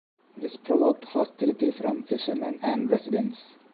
This provoked hostility from fishermen and residents.